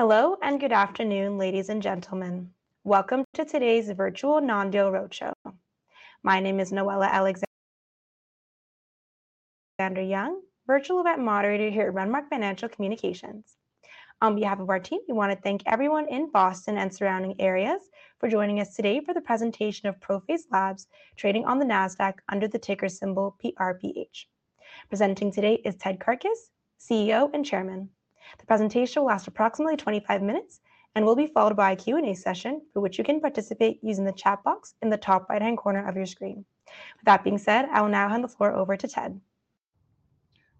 Hello and good afternoon, ladies and gentlemen. Welcome to today's virtual non-deal roadshow. My name is Noella Alexander-Young, virtual event moderator here at Renmark Financial Communications. On behalf of our team, we want to thank everyone in Boston and surrounding areas for joining us today for the presentation of ProPhase Labs trading on the Nasdaq under the ticker symbol PRPH. Presenting today is Ted Karkus, CEO and Chairman. The presentation will last approximately 25 minutes and will be followed by a Q&A session for which you can participate using the chat box in the top right-hand corner of your screen. With that being said, I will now hand the floor over to Ted.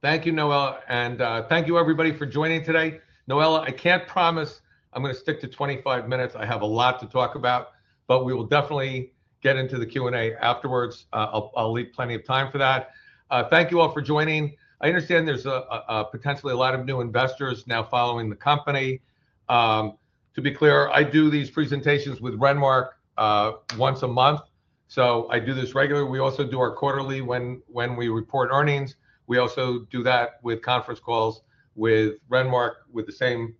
Thank you, Noela, and thank you, everybody, for joining today. Noela, I can't promise I'm going to stick to 25 minutes. I have a lot to talk about, but we will definitely get into the Q&A afterwards. I'll leave plenty of time for that. Thank you all for joining. I understand there's potentially a lot of new investors now following the company. To be clear, I do these presentations with Renmark once a month, so I do this regularly. We also do our quarterly when we report earnings. We also do that with conference calls with Renmark with the same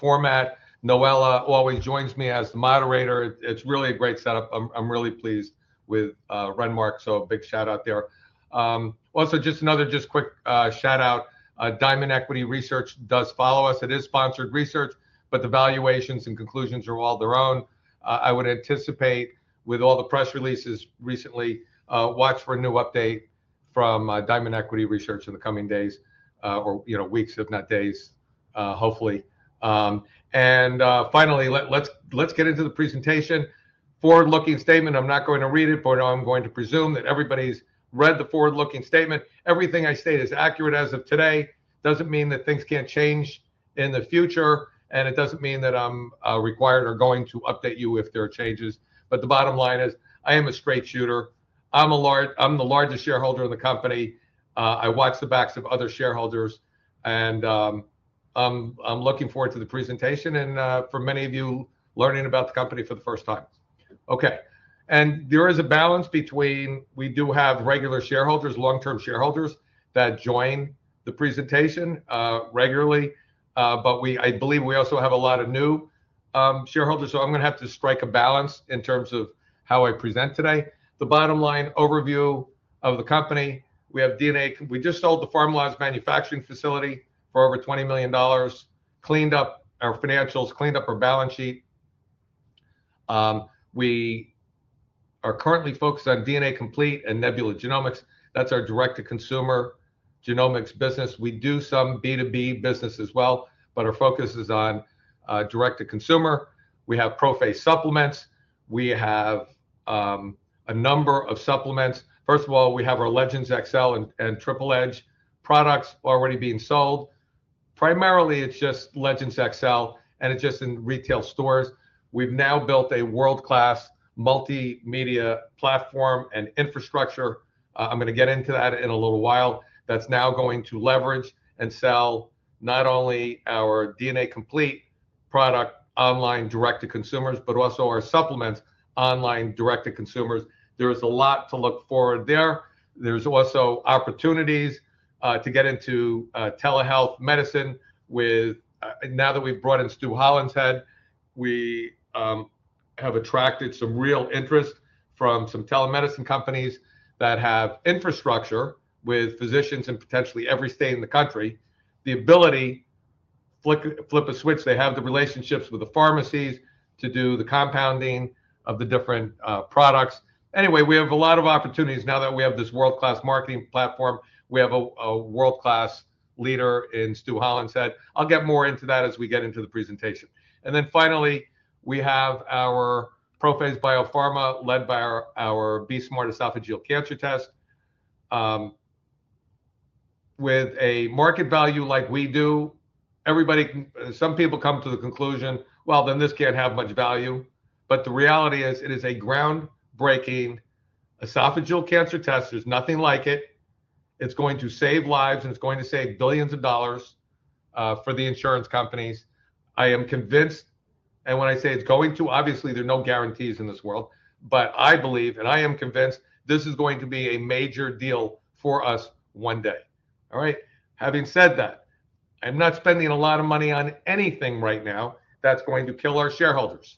format. Noela always joins me as the moderator. It's really a great setup. I'm really pleased with Renmark, so a big shout-out there. Also, just another quick shout-out: Diamond Equity Research does follow us. It is sponsored research, but the valuations and conclusions are all their own. I would anticipate, with all the press releases recently, watch for a new update from Diamond Equity Research in the coming days or weeks, if not days, hopefully. Finally, let's get into the presentation. Forward-looking statement. I'm not going to read it, but I'm going to presume that everybody's read the forward-looking statement. Everything I state is accurate as of today. It doesn't mean that things can't change in the future, and it doesn't mean that I'm required or going to update you if there are changes. The bottom line is I am a straight shooter. I'm the largest shareholder in the company. I watch the backs of other shareholders, and I'm looking forward to the presentation and for many of you learning about the company for the first time. Okay. There is a balance between we do have regular shareholders, long-term shareholders that join the presentation regularly, but I believe we also have a lot of new shareholders, so I'm going to have to strike a balance in terms of how I present today. The bottom line overview of the company: we just sold the Pharmaloz Manufacturing facility for over $20 million, cleaned up our financials, cleaned up our balance sheet. We are currently focused on DNA Complete and Nebula Genomics. That's our direct-to-consumer genomics business. We do some B2B business as well, but our focus is on direct-to-consumer. We have ProPhase supplements. We have a number of supplements. First of all, we have our Legendz XL and Triple Edge products already being sold. Primarily, it's just Legendz XL, and it's just in retail stores. We've now built a world-class multimedia platform and infrastructure. I'm going to get into that in a little while. That's now going to leverage and sell not only our DNA Complete product online direct-to-consumers, but also our supplements online direct-to-consumers. There is a lot to look forward there. There are also opportunities to get into telehealth medicine. Now that we've brought in Stu Hollenshead, we have attracted some real interest from some telemedicine companies that have infrastructure with physicians in potentially every state in the country. The ability to flip a switch, they have the relationships with the pharmacies to do the compounding of the different products. Anyway, we have a lot of opportunities now that we have this world-class marketing platform. We have a world-class leader in Stu Hollenshead. I'll get more into that as we get into the presentation. Finally, we have our ProPhase Biopharma led by our BE-Smart esophageal cancer test. With a market value like we do, some people come to the conclusion, "Well, then this can't have much value." The reality is it is a groundbreaking esophageal cancer test. There's nothing like it. It's going to save lives, and it's going to save billions of dollars for the insurance companies. I am convinced, and when I say it's going to, obviously, there are no guarantees in this world, but I believe, and I am convinced, this is going to be a major deal for us one day. All right? Having said that, I'm not spending a lot of money on anything right now that's going to kill our shareholders.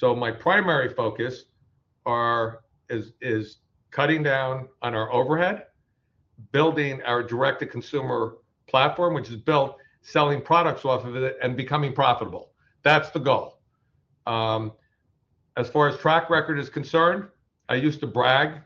My primary focus is cutting down on our overhead, building our direct-to-consumer platform, which is built selling products off of it and becoming profitable. That's the goal. As far as track record is concerned, I used to brag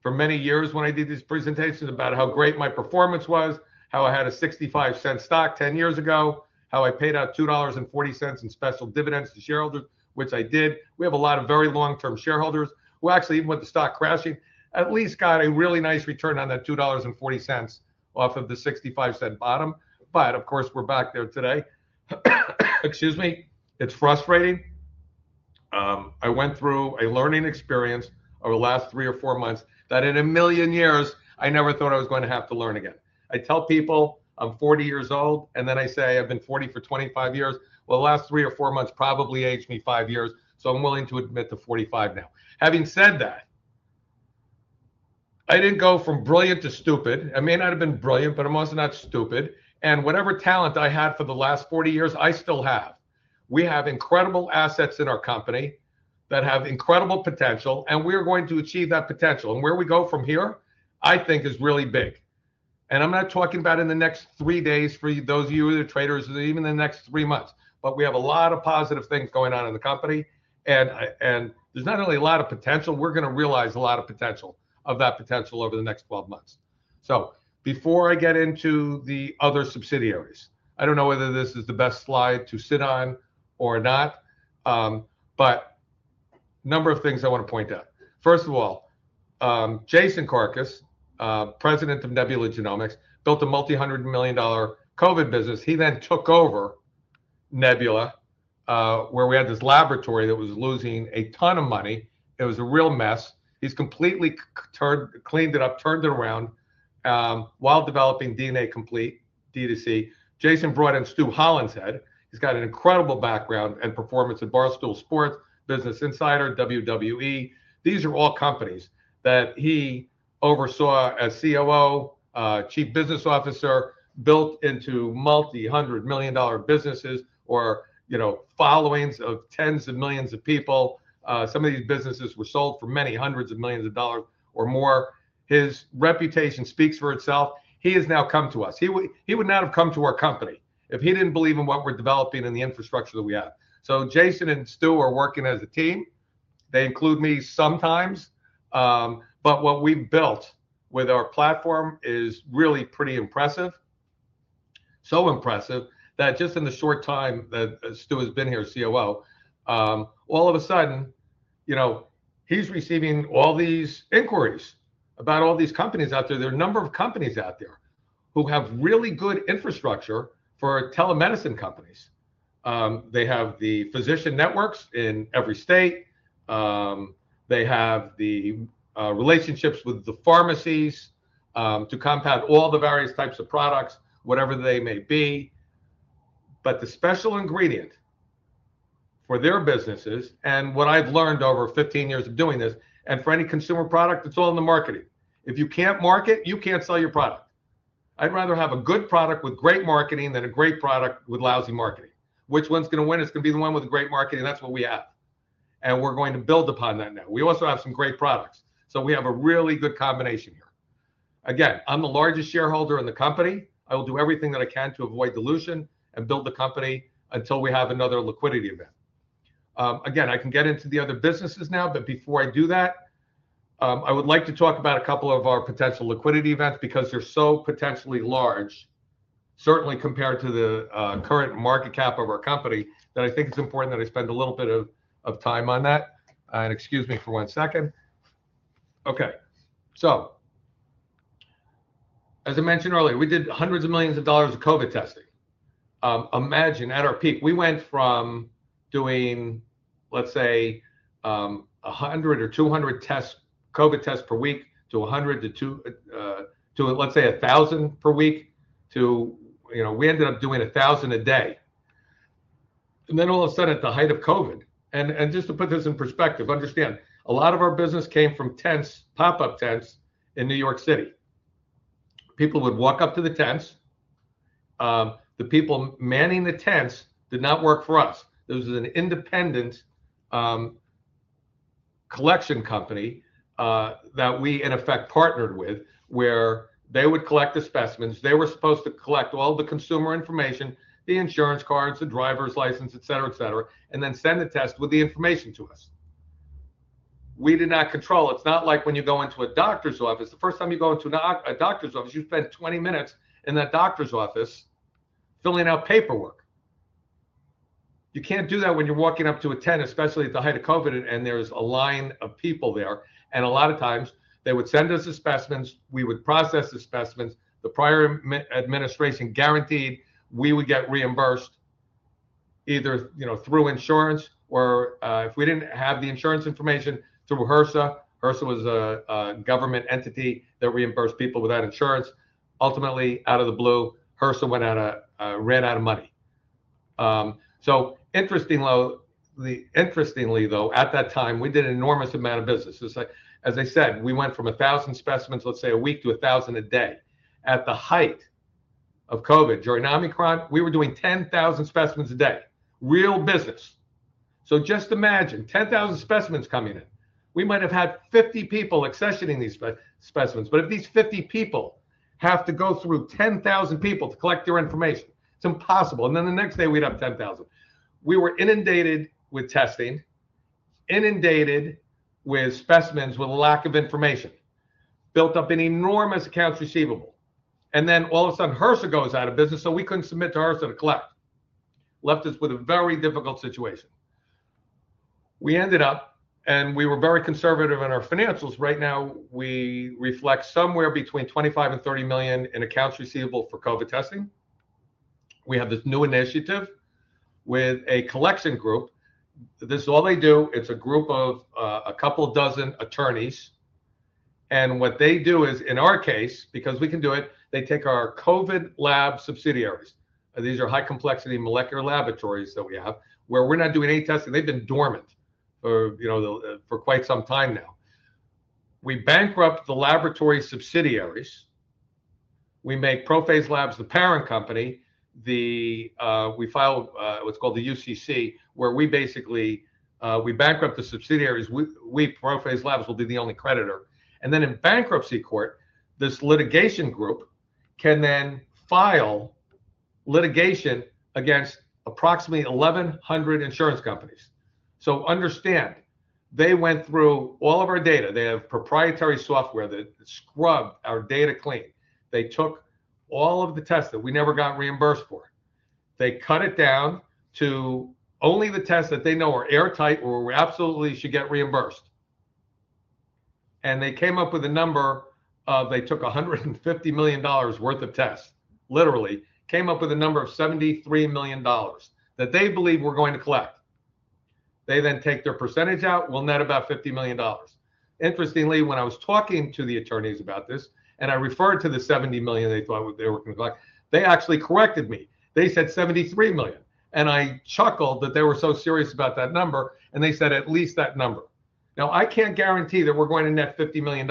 for many years when I did these presentations about how great my performance was, how I had a $0.65 stock 10 years ago, how I paid out $2.40 in special dividends to shareholders, which I did. We have a lot of very long-term shareholders who actually even with the stock crashing at least got a really nice return on that $2.40 off of the $0.65 bottom. Of course, we're back there today. Excuse me. It's frustrating. I went through a learning experience over the last three or four months that in a million years, I never thought I was going to have to learn again. I tell people I'm 40 years old, and then I say I've been 40 for 25 years. The last three or four months probably aged me five years, so I'm willing to admit to 45 now. Having said that, I didn't go from brilliant to stupid. I may not have been brilliant, but I'm also not stupid. Whatever talent I had for the last 40 years, I still have. We have incredible assets in our company that have incredible potential, and we are going to achieve that potential. Where we go from here, I think, is really big. I'm not talking about in the next three days for those of you who are traders or even in the next three months, but we have a lot of positive things going on in the company. There's not only a lot of potential, we're going to realize a lot of potential of that potential over the next 12 months. Before I get into the other subsidiaries, I don't know whether this is the best slide to sit on or not, but a number of things I want to point out. First of all, Jason Karkus, President of Nebula Genomics, built a multi-hundred million dollar COVID business. He then took over Nebula, where we had this laboratory that was losing a ton of money. It was a real mess. He's completely cleaned it up, turned it around while developing DNA Complete D2C. Jason brought in Stu Hollenshead. He's got an incredible background and performance in Barstool Sports, Business Insider, WWE. These are all companies that he oversaw as COO, Chief Business Officer, built into multi-hundred million dollar businesses or followings of tens of millions of people. Some of these businesses were sold for many hundreds of millions of dollars or more. His reputation speaks for itself. He has now come to us. He would not have come to our company if he didn't believe in what we're developing and the infrastructure that we have. Jason and Stu are working as a team. They include me sometimes. What we've built with our platform is really pretty impressive. It is so impressive that just in the short time that Stu has been here as COO, all of a sudden, he's receiving all these inquiries about all these companies out there. There are a number of companies out there who have really good infrastructure for telemedicine companies. They have the physician networks in every state. They have the relationships with the pharmacies to compound all the various types of products, whatever they may be. The special ingredient for their businesses, and what I've learned over 15 years of doing this, and for any consumer product, it's all in the marketing. If you can't market, you can't sell your product. I'd rather have a good product with great marketing than a great product with lousy marketing. Which one's going to win? It's going to be the one with great marketing. That's what we have. We're going to build upon that now. We also have some great products. We have a really good combination here. Again, I'm the largest shareholder in the company. I will do everything that I can to avoid dilution and build the company until we have another liquidity event. Again, I can get into the other businesses now, but before I do that, I would like to talk about a couple of our potential liquidity events because they're so potentially large, certainly compared to the current market cap of our company, that I think it's important that I spend a little bit of time on that. Excuse me for one second. Okay. As I mentioned earlier, we did hundreds of millions of dollars of COVID testing. Imagine at our peak, we went from doing, let's say, 100 or 200 COVID tests per week to 100 to, let's say, 1,000 per week. We ended up doing 1,000 a day. All of a sudden, at the height of COVID, and just to put this in perspective, understand a lot of our business came from pop-up tents in New York City. People would walk up to the tents. The people manning the tents did not work for us. There was an independent collection company that we, in effect, partnered with where they would collect the specimens. They were supposed to collect all the consumer information, the insurance cards, the driver's license, etc., etc., and then send the test with the information to us. We did not control. It's not like when you go into a doctor's office. The first time you go into a doctor's office, you spend 20 minutes in that doctor's office filling out paperwork. You can't do that when you're walking up to a tent, especially at the height of COVID, and there's a line of people there. A lot of times, they would send us the specimens. We would process the specimens. The prior administration guaranteed we would get reimbursed either through insurance or if we didn't have the insurance information through HRSA. HRSA was a government entity that reimbursed people without insurance. Ultimately, out of the blue, HRSA ran out of money. Interestingly, though, at that time, we did an enormous amount of business. As I said, we went from 1,000 specimens, let's say, a week to 1,000 a day. At the height of COVID during Omicron, we were doing 10,000 specimens a day. Real business. Just imagine 10,000 specimens coming in. We might have had 50 people accessioning these specimens. If these 50 people have to go through 10,000 people to collect their information, it's impossible. The next day, we'd have 10,000. We were inundated with testing, inundated with specimens with a lack of information, built up an enormous accounts receivable. All of a sudden, HRSA goes out of business, so we couldn't submit to HRSA to collect. Left us with a very difficult situation. We ended up, and we were very conservative in our financials. Right now, we reflect somewhere between $25 million and $30 million in accounts receivable for COVID testing. We have this new initiative with a collection group. This is all they do. It's a group of a couple dozen attorneys. What they do is, in our case, because we can do it, they take our COVID lab subsidiaries. These are high-complexity molecular laboratories that we have where we're not doing any testing. They've been dormant for quite some time now. We bankrupt the laboratory subsidiaries. We make ProPhase Labs the parent company. We file what's called the UCC, where we basically bankrupt the subsidiaries. ProPhase Labs will be the only creditor. In bankruptcy court, this litigation group can then file litigation against approximately 1,100 insurance companies. Understand, they went through all of our data. They have proprietary software that scrubbed our data clean. They took all of the tests that we never got reimbursed for. They cut it down to only the tests that they know are airtight or absolutely should get reimbursed. They came up with a number of they took $150 million worth of tests, literally, came up with a number of $73 million that they believe we're going to collect. They then take their percentage out, net about $50 million. Interestingly, when I was talking to the attorneys about this, and I referred to the $70 million they thought they were going to collect, they actually corrected me. They said $73 million. I chuckled that they were so serious about that number. They said at least that number. Now, I can't guarantee that we're going to net $50 million.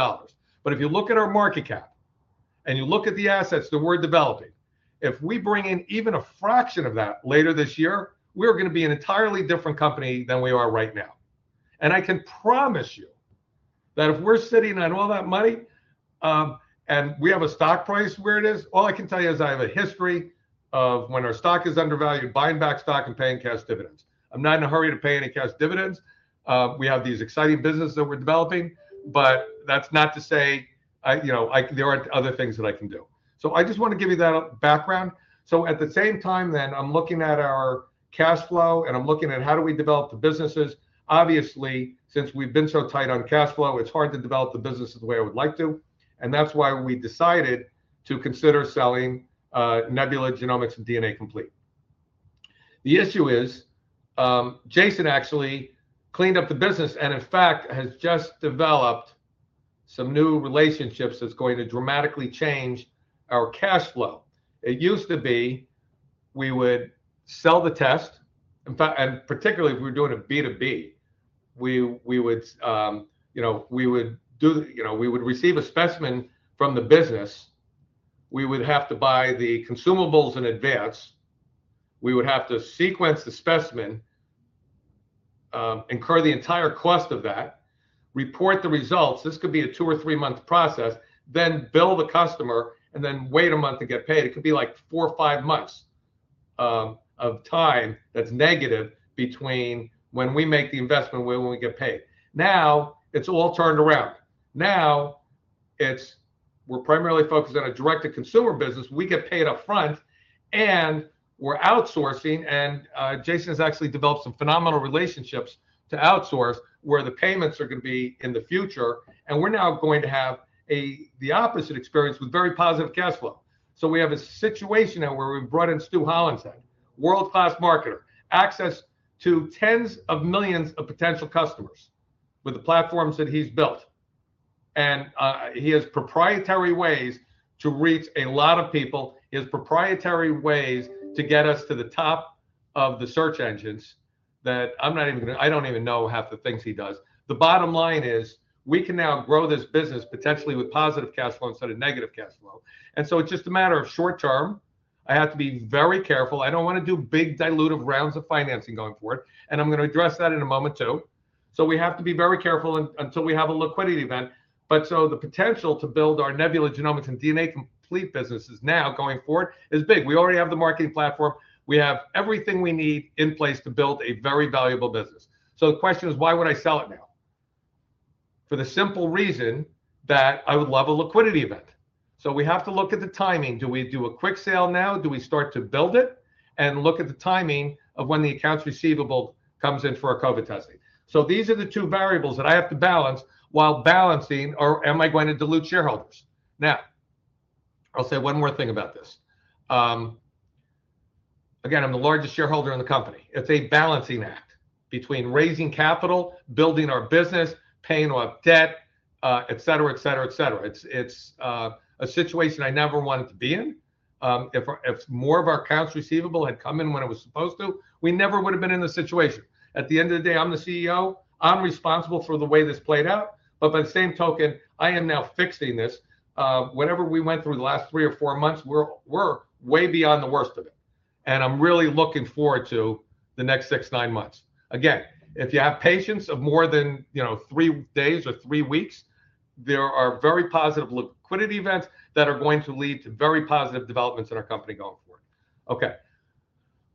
If you look at our market cap and you look at the assets that we're developing, if we bring in even a fraction of that later this year, we're going to be an entirely different company than we are right now. I can promise you that if we're sitting on all that money and we have a stock price where it is, all I can tell you is I have a history of when our stock is undervalued, buying back stock and paying cash dividends. I'm not in a hurry to pay any cash dividends. We have these exciting businesses that we're developing. That's not to say there aren't other things that I can do. I just want to give you that background. At the same time, then, I'm looking at our cash flow, and I'm looking at how do we develop the businesses. Obviously, since we've been so tight on cash flow, it's hard to develop the business the way I would like to. That's why we decided to consider selling Nebula Genomics and DNA Complete. The issue is Jason actually cleaned up the business and, in fact, has just developed some new relationships that's going to dramatically change our cash flow. It used to be we would sell the test. Particularly, if we were doing a B2B, we would receive a specimen from the business. We would have to buy the consumables in advance. We would have to sequence the specimen, incur the entire cost of that, report the results. This could be a two or three-month process, then bill the customer, and then wait a month to get paid. It could be like four or five months of time that's negative between when we make the investment and when we get paid. Now, it's all turned around. Now, we're primarily focused on a direct-to-consumer business. We get paid upfront, and we're outsourcing. Jason has actually developed some phenomenal relationships to outsource where the payments are going to be in the future. We're now going to have the opposite experience with very positive cash flow. We have a situation now where we've brought in Stu Hollenshead, world-class marketer, access to tens of millions of potential customers with the platforms that he's built. He has proprietary ways to reach a lot of people. He has proprietary ways to get us to the top of the search engines that I am not even going to, I do not even know half the things he does. The bottom line is we can now grow this business potentially with positive cash flow instead of negative cash flow. It is just a matter of short term. I have to be very careful. I do not want to do big dilutive rounds of financing going forward. I am going to address that in a moment too. We have to be very careful until we have a liquidity event. The potential to build our Nebula Genomics and DNA Complete businesses now going forward is big. We already have the marketing platform. We have everything we need in place to build a very valuable business. The question is, why would I sell it now? For the simple reason that I would love a liquidity event. We have to look at the timing. Do we do a quick sale now? Do we start to build it and look at the timing of when the accounts receivable comes in for our COVID testing? These are the two variables that I have to balance while balancing, or am I going to dilute shareholders? I'll say one more thing about this. Again, I'm the largest shareholder in the company. It's a balancing act between raising capital, building our business, paying off debt, etc., etc., etc. It's a situation I never wanted to be in. If more of our accounts receivable had come in when it was supposed to, we never would have been in this situation. At the end of the day, I'm the CEO. I'm responsible for the way this played out. By the same token, I am now fixing this. Whatever we went through the last three or four months, we're way beyond the worst of it. I'm really looking forward to the next six, nine months. Again, if you have patience of more than three days or three weeks, there are very positive liquidity events that are going to lead to very positive developments in our company going forward. Okay.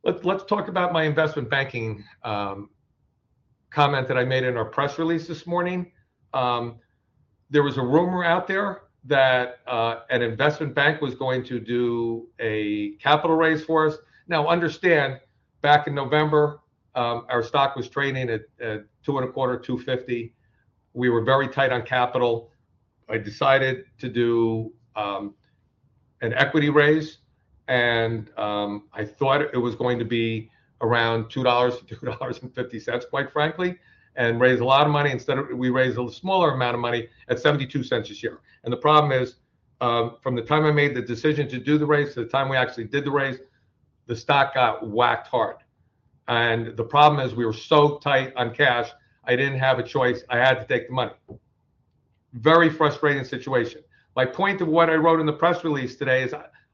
Let's talk about my investment banking comment that I made in our press release this morning. There was a rumor out there that an investment bank was going to do a capital raise for us. Now, understand, back in November, our stock was trading at $2.25, $2.50. We were very tight on capital. I decided to do an equity raise. I thought it was going to be around $2-$2.50, quite frankly, and raise a lot of money. Instead, we raised a smaller amount of money at $0.72 a share. The problem is, from the time I made the decision to do the raise to the time we actually did the raise, the stock got whacked hard. The problem is we were so tight on cash, I didn't have a choice. I had to take the money. Very frustrating situation. My point of what I wrote in the press release today is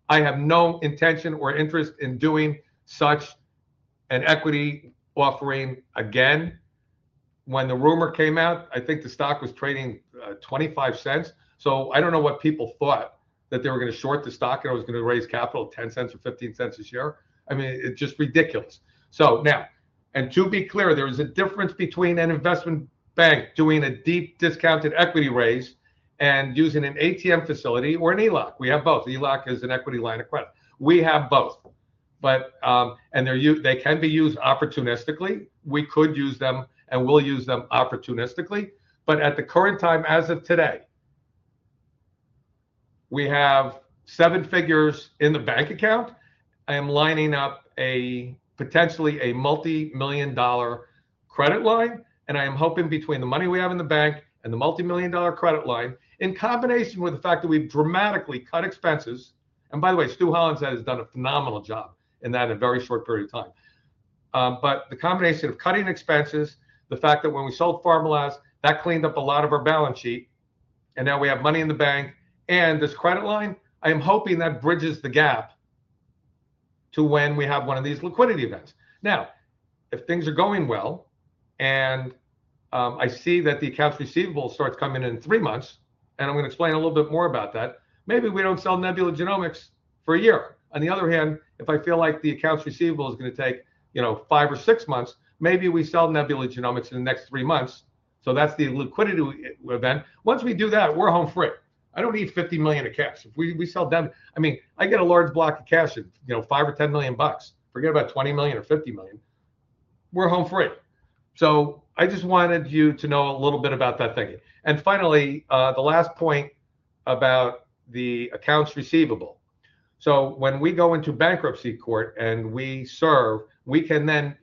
I have no intention or interest in doing such an equity offering again. When the rumor came out, I think the stock was trading $0.25. I don't know what people thought, that they were going to short the stock and I was going to raise capital at $0.10 or $0.15 a share. I mean, it's just ridiculous. Now, to be clear, there is a difference between an investment bank doing a deep discounted equity raise and using an ATM facility or an ELOC. We have both. ELOC is an equity line of credit. We have both, and they can be used opportunistically. We could use them and we'll use them opportunistically. At the current time, as of today, we have seven figures in the bank account. I am lining up potentially a multi-million dollar credit line. I am hoping between the money we have in the bank and the multi-million dollar credit line, in combination with the fact that we've dramatically cut expenses. By the way, Stu Hollenshead has done a phenomenal job in that in a very short period of time. The combination of cutting expenses, the fact that when we sold Pharmaloz, that cleaned up a lot of our balance sheet. Now we have money in the bank. This credit line, I am hoping that bridges the gap to when we have one of these liquidity events. If things are going well and I see that the accounts receivable starts coming in three months, and I'm going to explain a little bit more about that, maybe we don't sell Nebula Genomics for a year. On the other hand, if I feel like the accounts receivable is going to take five or six months, maybe we sell Nebula Genomics in the next three months. That's the liquidity event. Once we do that, we're home free. I don't need $50 million of cash. If we sell them, I mean, I get a large block of cash of $5 or $10 million. Forget about $20 million or $50 million. We're home free. I just wanted you to know a little bit about that thinking. Finally, the last point about the accounts receivable. When we go into bankruptcy court and we serve, we can then,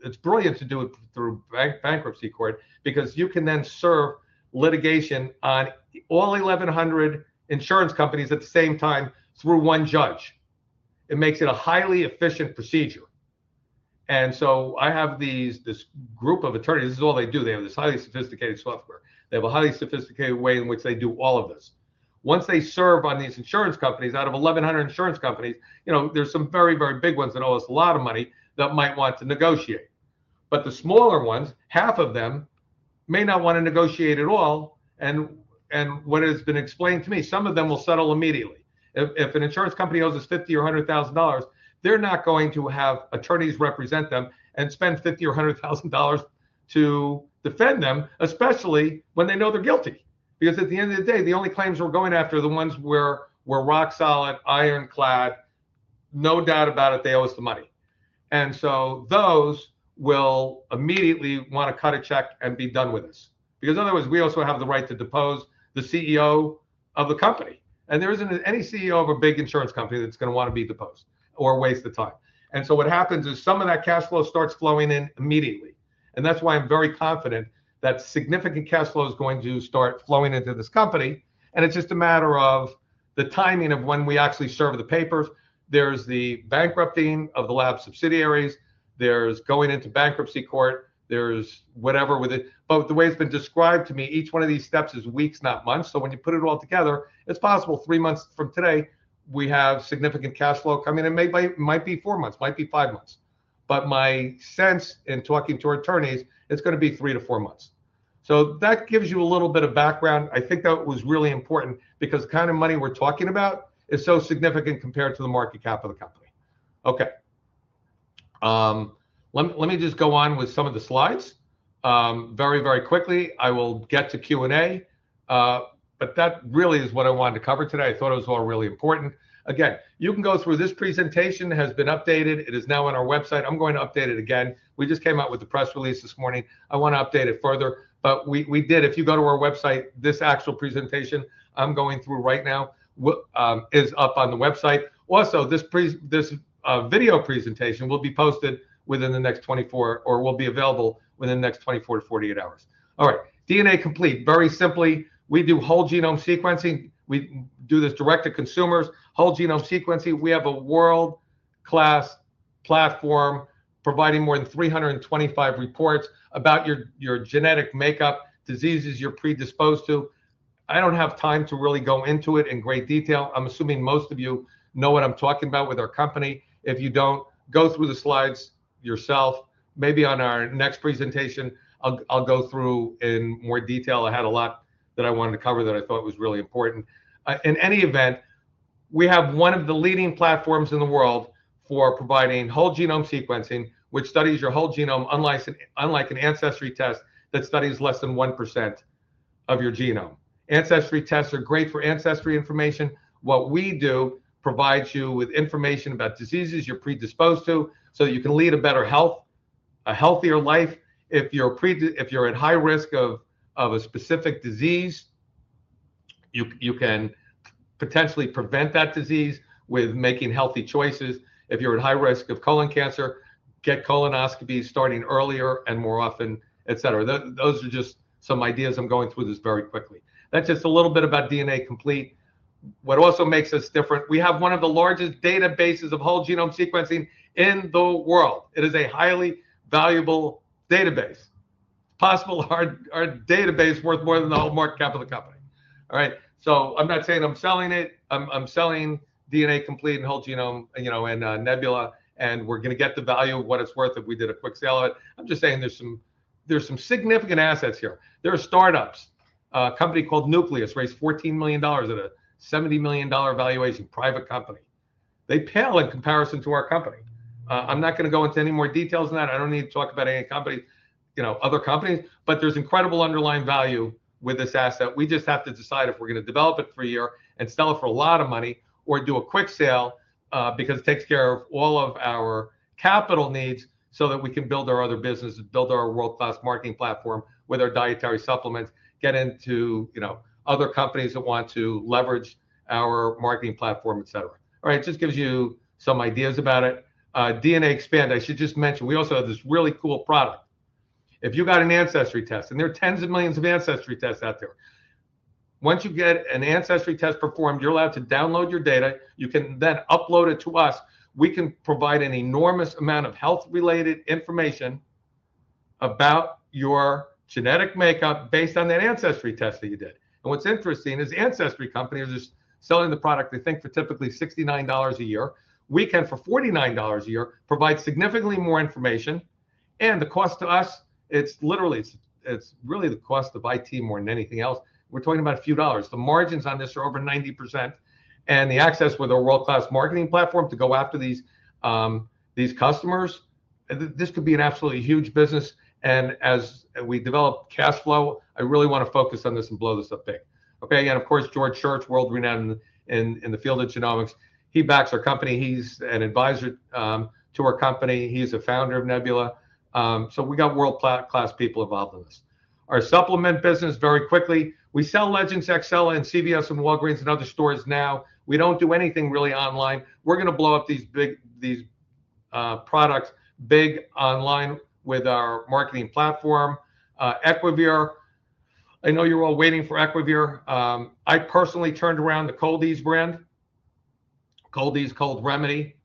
through—it's brilliant to do it through bankruptcy court because you can then serve litigation on all 1,100 insurance companies at the same time through one judge. It makes it a highly efficient procedure. I have this group of attorneys. This is all they do. They have this highly sophisticated software. They have a highly sophisticated way in which they do all of this. Once they serve on these insurance companies, out of 1,100 insurance companies, there's some very, very big ones that owe us a lot of money that might want to negotiate. The smaller ones, half of them may not want to negotiate at all. What has been explained to me, some of them will settle immediately. If an insurance company owes us $50,000 or $100,000, they're not going to have attorneys represent them and spend $50,000 or $100,000 to defend them, especially when they know they're guilty. Because at the end of the day, the only claims we're going after are the ones where we're rock solid, ironclad, no doubt about it, they owe us the money. Those will immediately want to cut a check and be done with us. Because in other words, we also have the right to depose the CEO of the company. There isn't any CEO of a big insurance company that's going to want to be deposed or waste the time. What happens is some of that cash flow starts flowing in immediately. That's why I'm very confident that significant cash flow is going to start flowing into this company. It's just a matter of the timing of when we actually serve the papers. There's the bankrupting of the lab subsidiaries. There's going into bankruptcy court. There's whatever with it. The way it's been described to me, each one of these steps is weeks, not months. When you put it all together, it's possible three months from today, we have significant cash flow coming in. It might be four months, might be five months. My sense in talking to our attorneys, it's going to be three to four months. That gives you a little bit of background. I think that was really important because the kind of money we're talking about is so significant compared to the market cap of the company. Okay. Let me just go on with some of the slides very, very quickly. I will get to Q&A. That really is what I wanted to cover today. I thought it was all really important. Again, you can go through this presentation. It has been updated. It is now on our website. I'm going to update it again. We just came out with the press release this morning. I want to update it further. If you go to our website, this actual presentation I'm going through right now is up on the website. Also, this video presentation will be posted within the next 24 hours or will be available within the next 24 hours to 48 hours. All right. DNA Complete, very simply, we do whole genome sequencing. We do this direct to consumers, whole genome sequencing. We have a world-class platform providing more than 325 reports about your genetic makeup, diseases you're predisposed to. I don't have time to really go into it in great detail. I'm assuming most of you know what I'm talking about with our company. If you don't, go through the slides yourself. Maybe on our next presentation, I'll go through in more detail. I had a lot that I wanted to cover that I thought was really important. In any event, we have one of the leading platforms in the world for providing whole genome sequencing, which studies your whole genome unlike an ancestry test that studies less than 1% of your genome. Ancestry tests are great for ancestry information. What we do provides you with information about diseases you're predisposed to so that you can lead a better health, a healthier life. If you're at high risk of a specific disease, you can potentially prevent that disease with making healthy choices. If you're at high risk of colon cancer, get colonoscopies starting earlier and more often, etc. Those are just some ideas I'm going through this very quickly. That's just a little bit about DNA Complete. What also makes us different, we have one of the largest databases of whole genome sequencing in the world. It is a highly valuable database. Possible our database is worth more than the whole market cap of the company. All right. I'm not saying I'm selling it. I'm selling DNA Complete and whole genome and Nebula. And we're going to get the value of what it's worth if we did a quick sale of it. I'm just saying there's some significant assets here. There are startups. A company called Nucleus raised $14 million at a $70 million valuation, private company. They pale in comparison to our company. I'm not going to go into any more details than that. I don't need to talk about any other companies. There is incredible underlying value with this asset. We just have to decide if we're going to develop it for a year and sell it for a lot of money or do a quick sale because it takes care of all of our capital needs so that we can build our other business and build our world-class marketing platform with our dietary supplements, get into other companies that want to leverage our marketing platform, etc. All right. It just gives you some ideas about it. DNA Expand, I should just mention, we also have this really cool product. If you got an ancestry test, and there are tens of millions of ancestry tests out there, once you get an ancestry test performed, you're allowed to download your data. You can then upload it to us. We can provide an enormous amount of health-related information about your genetic makeup based on that ancestry test that you did. What's interesting is ancestry companies are selling the product, they think, for typically $69 a year. We can, for $49 a year, provide significantly more information. The cost to us, it's literally, it's really the cost of IT more than anything else. We're talking about a few dollars. The margins on this are over 90%. The access with a world-class marketing platform to go after these customers, this could be an absolutely huge business. As we develop cash flow, I really want to focus on this and blow this up big. Of course, George Church, world renowned in the field of genomics, he backs our company. He's an advisor to our company. He's a founder of Nebula. We got world-class people involved in this. Our supplement business, very quickly, we sell Legendz XL in CVS and Walgreens and other stores now. We do not do anything really online. We are going to blow up these products big online with our marketing platform, Equivir. I know you are all waiting for Equivir. I personally turned around the Koldis brand, Koldis Cold Remedy.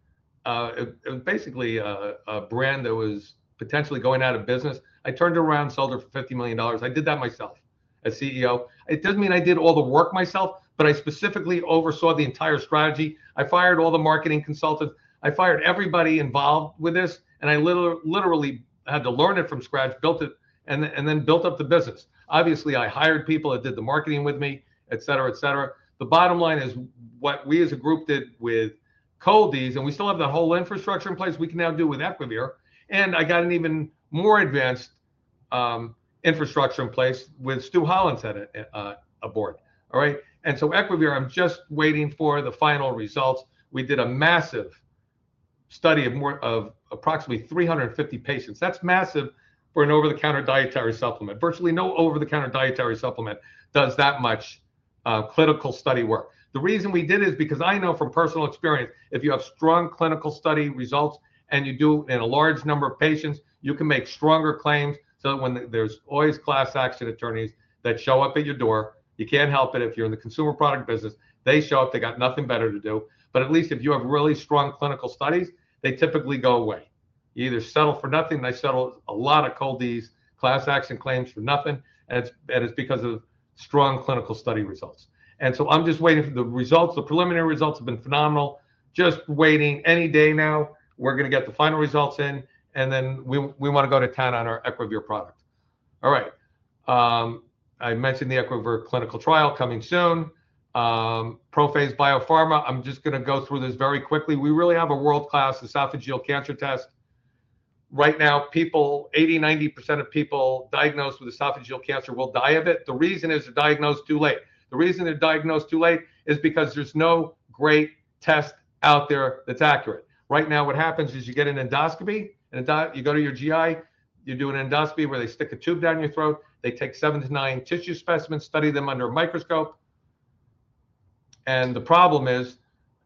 It was basically a brand that was potentially going out of business. I turned it around, sold it for $50 million. I did that myself as CEO. It does not mean I did all the work myself, but I specifically oversaw the entire strategy. I fired all the marketing consultants. I fired everybody involved with this. I literally had to learn it from scratch, built it, and then built up the business. Obviously, I hired people that did the marketing with me, etc., etc. The bottom line is what we as a group did with Koldis, and we still have that whole infrastructure in place we can now do with Equivir. I got an even more advanced infrastructure in place with Stu Hollenshead aboard. All right. Equivir, I'm just waiting for the final results. We did a massive study of approximately 350 patients. That's massive for an over-the-counter dietary supplement. Virtually no over-the-counter dietary supplement does that much clinical study work. The reason we did it is because I know from personal experience, if you have strong clinical study results and you do it in a large number of patients, you can make stronger claims so that when there's always class action attorneys that show up at your door, you can't help it if you're in the consumer product business. They show up, they got nothing better to do. At least if you have really strong clinical studies, they typically go away. You either settle for nothing, and they settle a lot of Koldis class action claims for nothing. It's because of strong clinical study results. I'm just waiting for the results. The preliminary results have been phenomenal. Just waiting any day now. We're going to get the final results in. We want to go to town on our Equivir product. I mentioned the Equivir clinical trial coming soon. ProPhase Biopharma, I'm just going to go through this very quickly. We really have a world-class esophageal cancer test. Right now, 80%-90% of people diagnosed with esophageal cancer will die of it. The reason is they're diagnosed too late. The reason they're diagnosed too late is because there's no great test out there that's accurate. Right now, what happens is you get an endoscopy, and you go to your GI, you do an endoscopy where they stick a tube down your throat. They take seven to nine tissue specimens, study them under a microscope. The problem is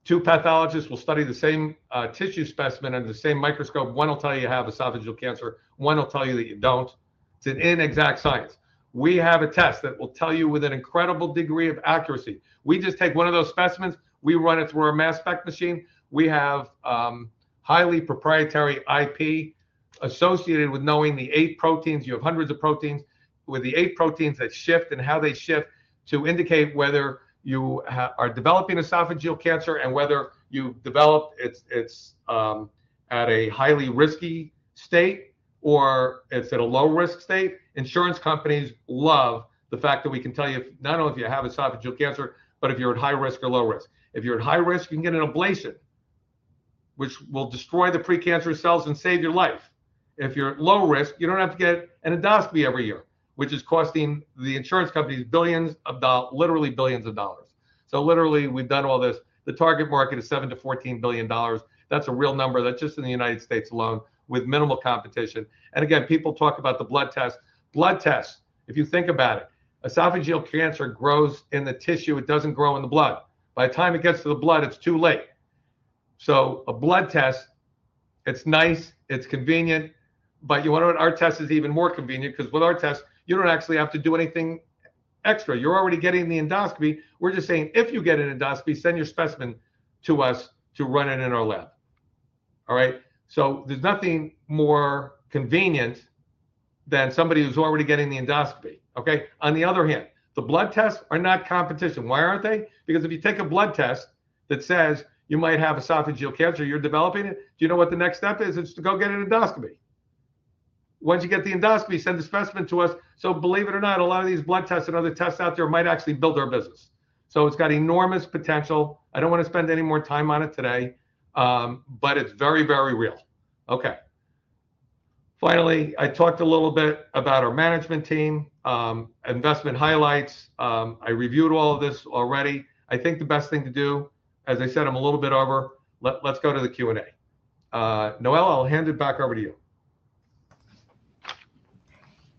two pathologists will study the same tissue specimen under the same microscope. One will tell you, you have esophageal cancer. One will tell you that you don't. It is an inexact science. We have a test that will tell you with an incredible degree of accuracy. We just take one of those specimens, we run it through our mass spec machine. We have highly proprietary IP associated with knowing the eight proteins. You have hundreds of proteins with the eight proteins that shift and how they shift to indicate whether you are developing esophageal cancer and whether you've developed it at a highly risky state or it's at a low-risk state. Insurance companies love the fact that we can tell you not only if you have esophageal cancer, but if you're at high risk or low risk. If you're at high risk, you can get an ablation, which will destroy the precancerous cells and save your life. If you're at low risk, you don't have to get an endoscopy every year, which is costing the insurance companies billions of dollars, literally billions of dollars. Literally, we've done all this. The target market is $7 billion-$14 billion. That's a real number. That's just in the United States alone with minimal competition. Again, people talk about the blood test. Blood tests, if you think about it, esophageal cancer grows in the tissue. It does not grow in the blood. By the time it gets to the blood, it is too late. A blood test, it is nice, it is convenient. You want to know what, our test is even more convenient because with our test, you do not actually have to do anything extra. You are already getting the endoscopy. We are just saying if you get an endoscopy, send your specimen to us to run it in our lab. There is nothing more convenient than somebody who is already getting the endoscopy. On the other hand, the blood tests are not competition. Why are they not? If you take a blood test that says you might have esophageal cancer, you are developing it, do you know what the next step is? It is to go get an endoscopy. Once you get the endoscopy, send the specimen to us. Believe it or not, a lot of these blood tests and other tests out there might actually build our business. It has enormous potential. I do not want to spend any more time on it today, but it is very, very real. Okay. Finally, I talked a little bit about our management team, investment highlights. I reviewed all of this already. I think the best thing to do, as I said, I am a little bit over. Let's go to the Q&A. Noella, I'll hand it back over to you.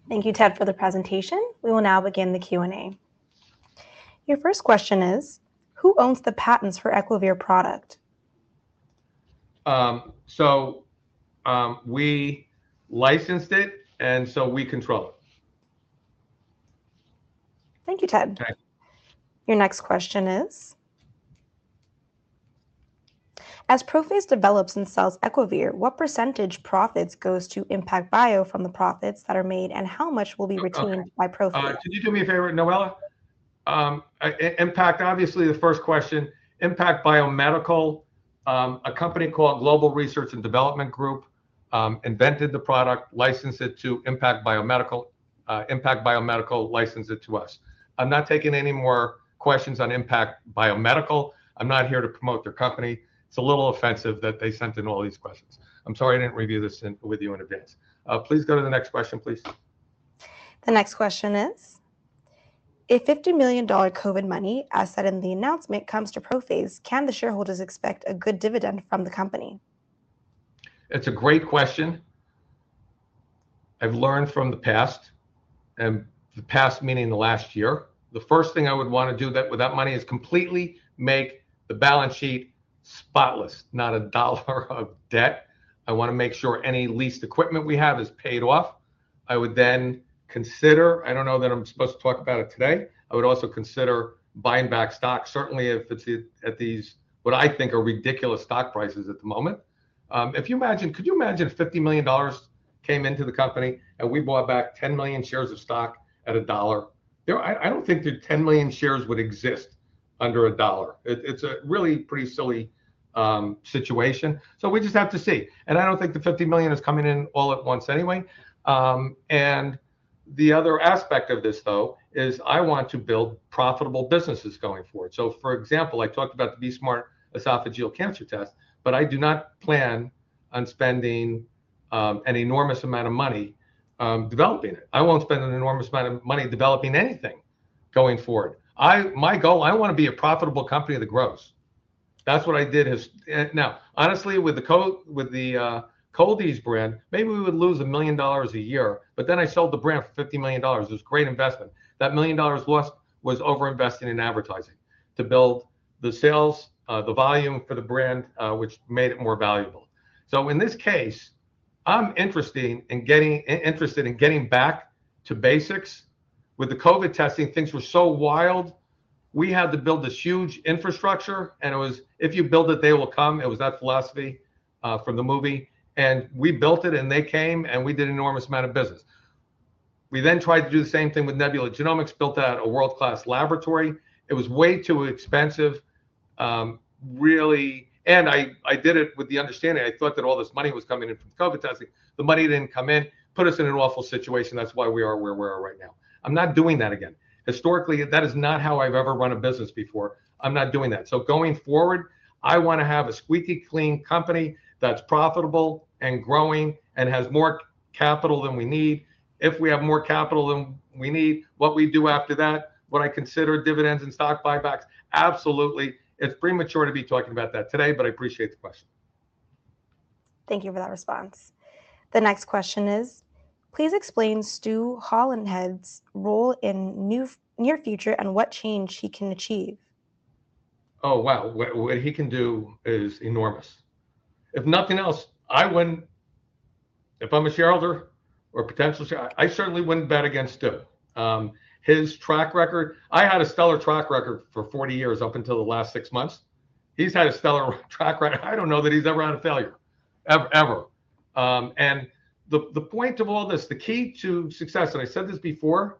Thank you, Ted, for the presentation. We will now begin the Q&A. Your first question is, who owns the patents for Equivir product? We licensed it, and so we control it. Thank you, Ted. Your next question is, as ProPhase develops and sells Equivir, what percentage profits goes to Impact Bio from the profits that are made, and how much will be retained by ProPhase? Could you do me a favor, Noella? Impact, obviously, the first question, Impact Biomedical, a company called Global Research and Development Group, invented the product, licensed it to Impact Biomedical, Impact Biomedical licensed it to us. I'm not taking any more questions on Impact Biomedical. I'm not here to promote their company. It's a little offensive that they sent in all these questions. I'm sorry I didn't review this with you in advance. Please go to the next question, please. The next question is, if $50 million COVID money, as said in the announcement, comes to ProPhase, can the shareholders expect a good dividend from the company? It's a great question. I've learned from the past, and the past meaning the last year. The first thing I would want to do with that money is completely make the balance sheet spotless, not a dollar of debt. I want to make sure any leased equipment we have is paid off. I would then consider, I don't know that I'm supposed to talk about it today. I would also consider buying back stock, certainly if it's at these, what I think are ridiculous stock prices at the moment. Could you imagine if $50 million came into the company and we bought back 10 million shares of stock at a dollar? I don't think that 10 million shares would exist under a dollar. It's a really pretty silly situation. We just have to see. I don't think the $50 million is coming in all at once anyway. The other aspect of this, though, is I want to build profitable businesses going forward. For example, I talked about the BE-Smart esophageal cancer test, but I do not plan on spending an enormous amount of money developing it. I will not spend an enormous amount of money developing anything going forward. My goal, I want to be a profitable company that grows. That is what I did. Honestly, with the Koldis brand, maybe we would lose $1 million a year, but then I sold the brand for $50 million. It was a great investment. That $1 million lost was over-investing in advertising to build the sales, the volume for the brand, which made it more valuable. In this case, I am interested in getting back to basics. With the COVID testing, things were so wild. We had to build this huge infrastructure, and it was, if you build it, they will come. It was that philosophy from the movie. We built it, and they came, and we did an enormous amount of business. We then tried to do the same thing with Nebula Genomics, built out a world-class laboratory. It was way too expensive, really. I did it with the understanding I thought that all this money was coming in from COVID testing. The money did not come in, put us in an awful situation. That is why we are where we are right now. I am not doing that again. Historically, that is not how I have ever run a business before. I am not doing that. Going forward, I want to have a squeaky clean company that is profitable and growing and has more capital than we need. If we have more capital than we need, what we do after that, what I consider dividends and stock buybacks, absolutely. It is premature to be talking about that today, but I appreciate the question. Thank you for that response. The next question is, please explain Stu Hollenshead's role in the near future and what change he can achieve. Oh, wow. What he can do is enormous. If nothing else, I wouldn't, if I'm a shareholder or potential shareholder, I certainly wouldn't bet against Stu. His track record, I had a stellar track record for 40 years up until the last six months. He's had a stellar track record. I don't know that he's ever had a failure, ever. The point of all this, the key to success, and I said this before,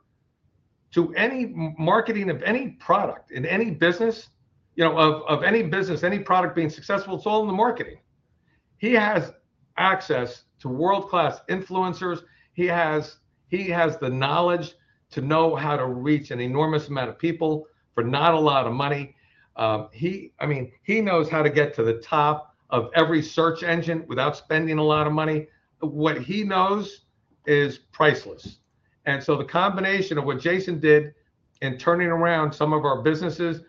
to any marketing of any product in any business, of any business, any product being successful, it's all in the marketing. He has access to world-class influencers. He has the knowledge to know how to reach an enormous amount of people for not a lot of money. I mean, he knows how to get to the top of every search engine without spending a lot of money. What he knows is priceless. The combination of what Jason did in turning around some of our businesses,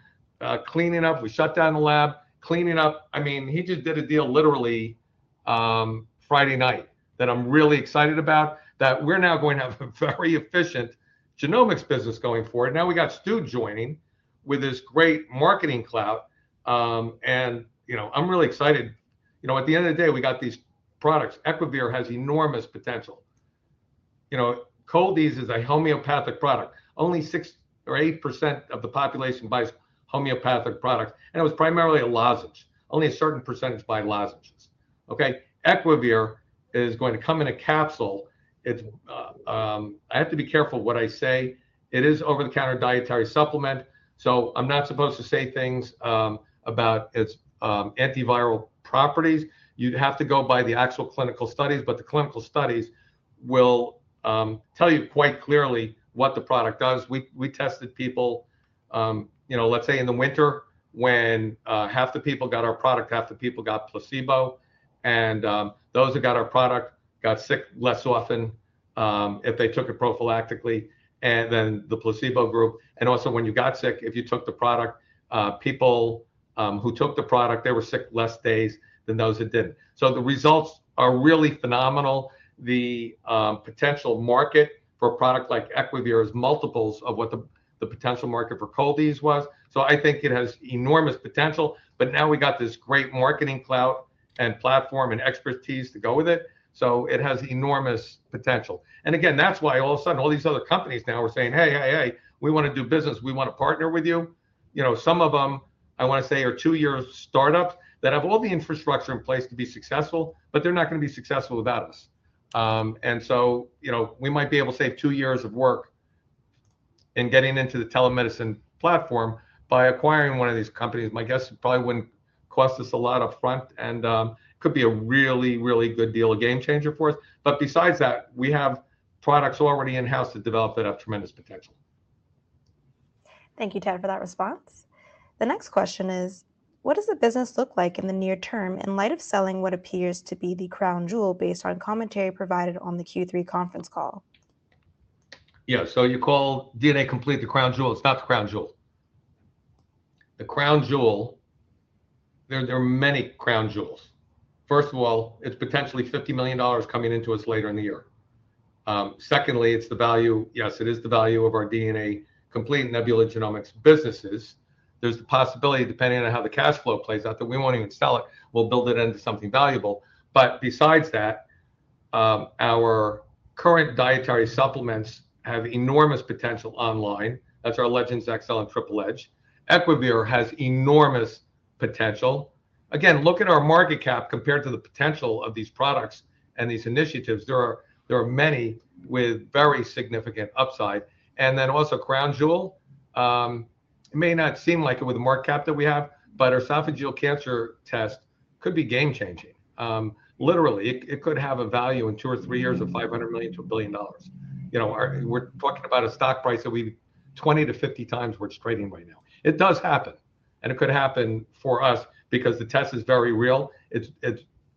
cleaning up, we shut down the lab, cleaning up, I mean, he just did a deal literally Friday night that I'm really excited about, that we're now going to have a very efficient genomics business going forward. Now we got Stu joining with his great marketing clout. I'm really excited. At the end of the day, we got these products. Equivir has enormous potential. Koldis is a homeopathic product. Only 6% or 8% of the population buys homeopathic products. It was primarily a lozenge. Only a certain percentage buy lozenges. Equivir is going to come in a capsule. I have to be careful what I say. It is an over-the-counter dietary supplement. I'm not supposed to say things about its antiviral properties. You'd have to go by the actual clinical studies, but the clinical studies will tell you quite clearly what the product does. We tested people, let's say in the winter, when half the people got our product, half the people got placebo. Those who got our product got sick less often if they took it prophylactically than the placebo group. Also, when you got sick, if you took the product, people who took the product, they were sick less days than those who didn't. The results are really phenomenal. The potential market for a product like Equivir is multiples of what the potential market for Koldis was. I think it has enormous potential. Now we got this great marketing cloud and platform and expertise to go with it. It has enormous potential. That is why all of a sudden, all these other companies now are saying, "Hey, hey, hey, we want to do business. We want to partner with you." Some of them, I want to say, are two-year startups that have all the infrastructure in place to be successful, but they are not going to be successful without us. We might be able to save two years of work in getting into the telemedicine platform by acquiring one of these companies. My guess probably would not cost us a lot upfront, and it could be a really, really good deal, a game changer for us. Besides that, we have products already in-house to develop that have tremendous potential. Thank you, Ted, for that response. The next question is, what does the business look like in the near term in light of selling what appears to be the crown jewel based on commentary provided on the Q3 conference call? Yeah. So you call DNA Complete the crown jewel. It's not the crown jewel. The crown jewel, there are many crown jewels. First of all, it's potentially $50 million coming into us later in the year. Secondly, it's the value, yes, it is the value of our DNA Complete, Nebula Genomics businesses. There's the possibility, depending on how the cash flow plays out, that we won't even sell it. We'll build it into something valuable. Besides that, our current dietary supplements have enormous potential online. That's our Legendz XL and Triple Edge. Equivir has enormous potential. Again, look at our market cap compared to the potential of these products and these initiatives. There are many with very significant upside. Also, crown jewel, it may not seem like it with the market cap that we have, but our esophageal cancer test could be game-changing. Literally, it could have a value in two or three years of $500 million-$1 billion. We're talking about a stock price that could be 20-50 times what it's trading at right now. It does happen. It could happen for us because the test is very real. It's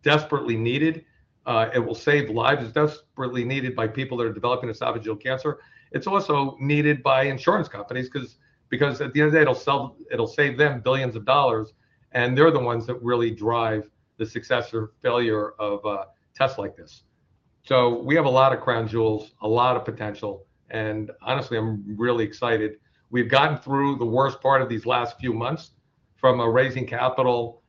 desperately needed. It will save lives. It's desperately needed by people that are developing esophageal cancer. It's also needed by insurance companies because at the end of the day, it'll save them billions of dollars. They're the ones that really drive the success or failure of a test like this. We have a lot of crown jewels, a lot of potential. Honestly, I'm really excited. We've gotten through the worst part of these last few months from a raising capital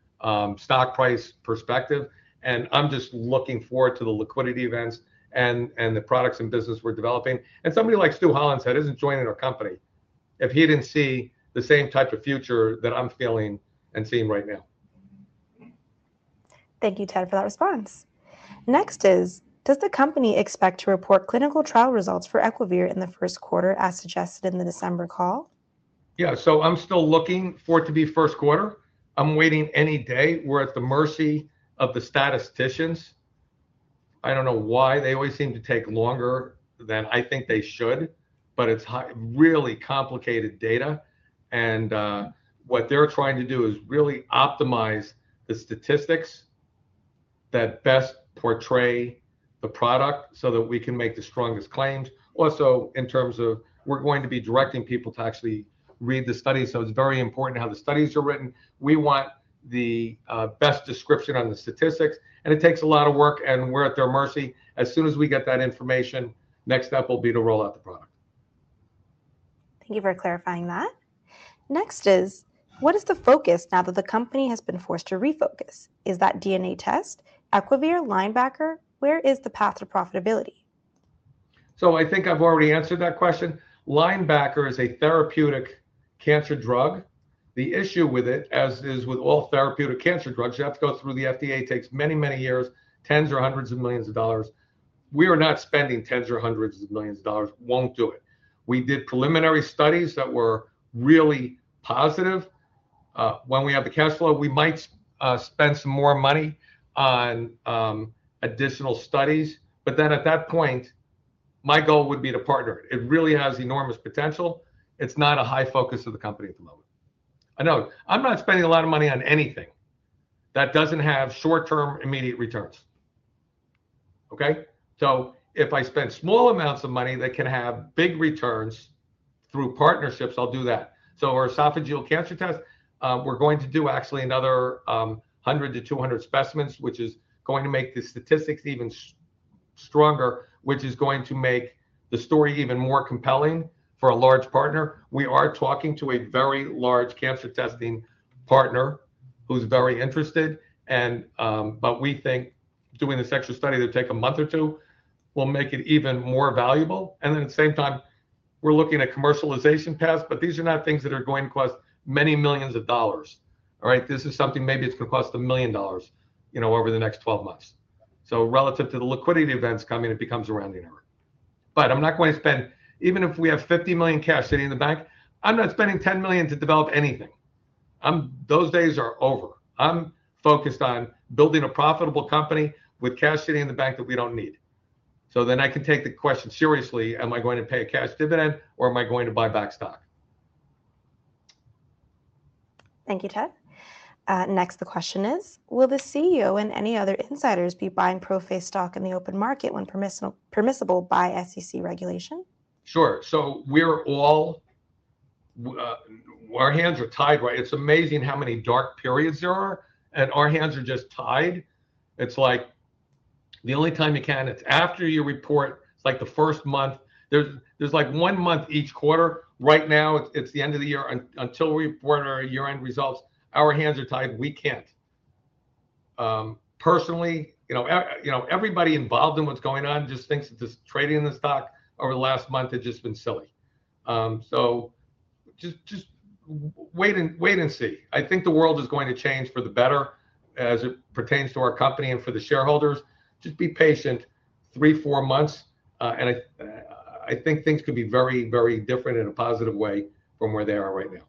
stock price perspective. I am just looking forward to the liquidity events and the products and business we are developing. Somebody like Stu Hollenshead is not joining our company if he did not see the same type of future that I am feeling and seeing right now. Thank you, Ted, for that response. Next is, does the company expect to report clinical trial results for Equivir in the first quarter as suggested in the December call? Yeah. I'm still looking for it to be first quarter. I'm waiting any day. We're at the mercy of the statisticians. I don't know why they always seem to take longer than I think they should, but it's really complicated data. What they're trying to do is really optimize the statistics that best portray the product so that we can make the strongest claims. Also, in terms of we're going to be directing people to actually read the studies. It's very important how the studies are written. We want the best description on the statistics. It takes a lot of work, and we're at their mercy. As soon as we get that information, next step will be to roll out the product. Thank you for clarifying that. Next is, what is the focus now that the company has been forced to refocus? Is that DNA test, Equivir, Linebacker? Where is the path to profitability? I think I've already answered that question. Linebacker is a therapeutic cancer drug. The issue with it, as is with all therapeutic cancer drugs, you have to go through the FDA. It takes many, many years, tens or hundreds of millions of dollars. We are not spending tens or hundreds of millions of dollars. Won't do it. We did preliminary studies that were really positive. When we have the cash flow, we might spend some more money on additional studies. At that point, my goal would be to partner. It really has enormous potential. It's not a high focus of the company at the moment. I know I'm not spending a lot of money on anything that doesn't have short-term immediate returns. If I spend small amounts of money that can have big returns through partnerships, I'll do that. Our esophageal cancer test, we're going to do actually another 100-200 specimens, which is going to make the statistics even stronger, which is going to make the story even more compelling for a large partner. We are talking to a very large cancer testing partner who's very interested. We think doing this extra study that would take a month or two will make it even more valuable. At the same time, we're looking at commercialization paths, but these are not things that are going to cost many millions of dollars. This is something maybe it's going to cost $1 million over the next 12 months. Relative to the liquidity events coming, it becomes a rounding error. I'm not going to spend, even if we have $50 million cash sitting in the bank, I'm not spending $10 million to develop anything. Those days are over. I'm focused on building a profitable company with cash sitting in the bank that we don't need. Then I can take the question seriously. Am I going to pay a cash dividend, or am I going to buy back stock? Thank you, Ted. Next, the question is, will the CEO and any other insiders be buying ProPhase stock in the open market when permissible by SEC regulation? Sure. We're all, our hands are tied, right? It's amazing how many dark periods there are. Our hands are just tied. It's like the only time you can, it's after you report, it's like the first month. There's like one month each quarter. Right now, it's the end of the year until we report our year-end results. Our hands are tied. We can't. Personally, everybody involved in what's going on just thinks that this trading in the stock over the last month has just been silly. Just wait and see. I think the world is going to change for the better as it pertains to our company and for the shareholders. Just be patient three, four months. I think things could be very, very different in a positive way from where they are right now.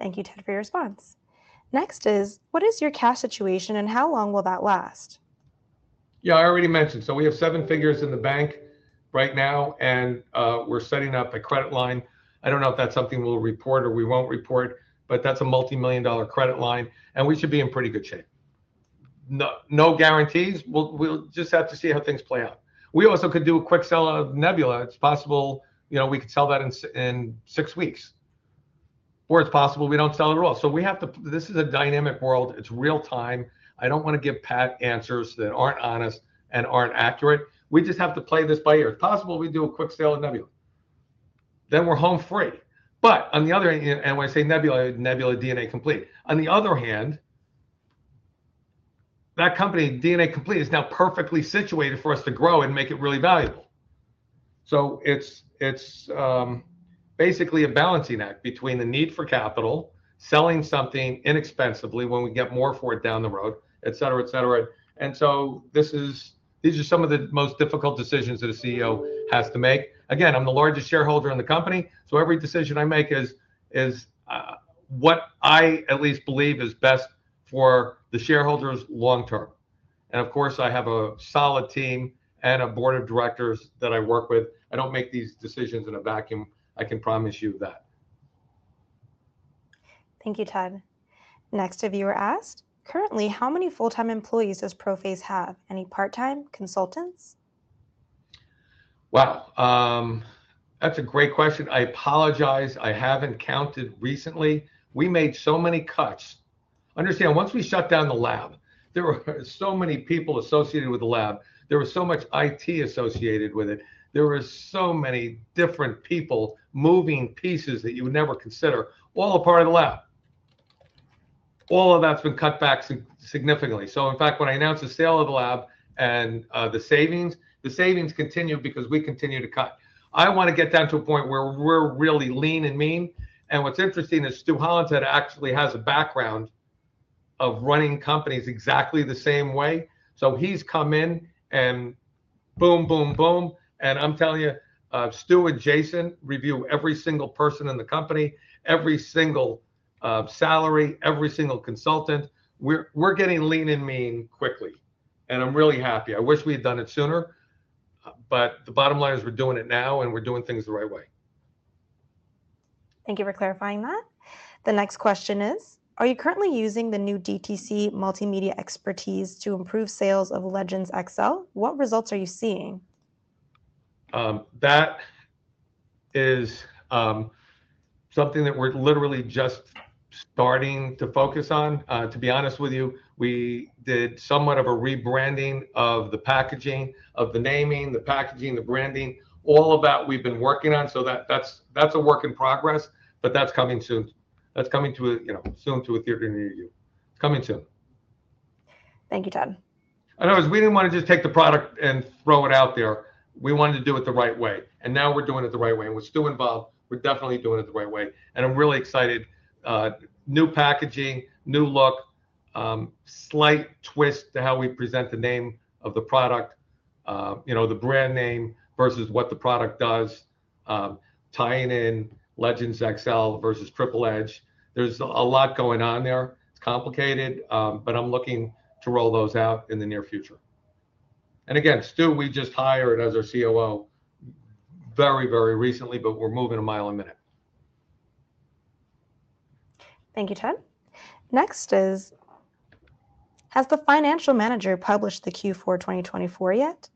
Thank you, Ted, for your response. Next is, what is your cash situation and how long will that last? Yeah, I already mentioned. We have seven figures in the bank right now, and we're setting up a credit line. I don't know if that's something we'll report or we won't report, but that's a multi-million dollar credit line, and we should be in pretty good shape. No guarantees. We'll just have to see how things play out. We also could do a quick sell of Nebula. It's possible we could sell that in six weeks, or it's possible we don't sell it at all. This is a dynamic world. It's real time. I don't want to give pat answers that aren't honest and aren't accurate. We just have to play this by ear. It's possible we do a quick sale of Nebula. Then we're home free. On the other hand, and when I say Nebula, Nebula DNA Complete. On the other hand, that company DNA Complete is now perfectly situated for us to grow and make it really valuable. It is basically a balancing act between the need for capital, selling something inexpensively when we get more for it down the road, et cetera, et cetera. These are some of the most difficult decisions that a CEO has to make. Again, I'm the largest shareholder in the company. Every decision I make is what I at least believe is best for the shareholders long term. Of course, I have a solid team and a board of directors that I work with. I don't make these decisions in a vacuum. I can promise you that. Thank you, Ted. Next, a viewer asked, currently, how many full-time employees does ProPhase have? Any part-time consultants? Wow. That's a great question. I apologize. I haven't counted recently. We made so many cuts. Understand, once we shut down the lab, there were so many people associated with the lab. There was so much IT associated with it. There were so many different people, moving pieces that you would never consider. All a part of the lab. All of that's been cut back significantly. In fact, when I announced the sale of the lab and the savings, the savings continued because we continued to cut. I want to get down to a point where we're really lean and mean. What's interesting is Stu Hollenshead actually has a background of running companies exactly the same way. He's come in and boom, boom, boom. I'm telling you, Stu and Jason review every single person in the company, every single salary, every single consultant. We're getting lean and mean quickly. I'm really happy. I wish we had done it sooner. The bottom line is we're doing it now, and we're doing things the right way. Thank you for clarifying that. The next question is, are you currently using the new DTC multimedia expertise to improve sales of Legendz XL? What results are you seeing? That is something that we're literally just starting to focus on. To be honest with you, we did somewhat of a rebranding of the packaging, of the naming, the packaging, the branding, all of that we've been working on. That is a work in progress, but that's coming soon. That's coming soon to a theater near you. It's coming soon. Thank you, Ted. I was, we did not want to just take the product and throw it out there. We wanted to do it the right way. Now we are doing it the right way. With Stu involved, we are definitely doing it the right way. I am really excited. New packaging, new look, slight twist to how we present the name of the product, the brand name versus what the product does, tying in Legendz XL versus Triple Edge. There is a lot going on there. It is complicated, but I am looking to roll those out in the near future. Again, Stu, we just hired as our COO very, very recently, but we are moving a mile a minute. Thank you, Ted. Next is, has the financial manager published the Q4 2024 yet?